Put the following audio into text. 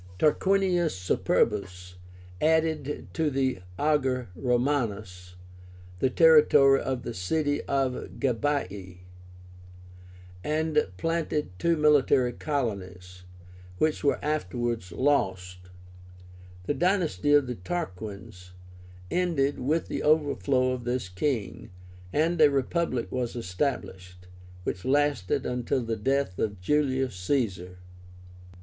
Tarquinius Superbus added to the AGER ROMÁNUS the territory of the city of GABII, and planted two military colonies, which were afterwards lost. The dynasty of the Tarquins ended with the overthrow of this king, and a Republic was established, which lasted until the death of Julius Caesar.